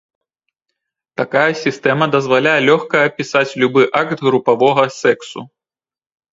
Такая сістэма дазваляе лёгка апісаць любы акт групавога сексу.